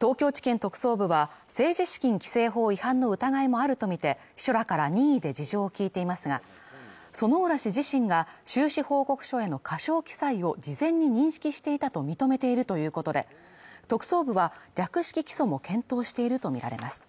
東京地検特捜部は政治資金規正法違反の疑いもあると見て秘書らから任意で事情を聞いていますが薗浦氏自身が収支報告書への過少記載を事前に認識していたと認めているということで特捜部は略式起訴も検討していると見られます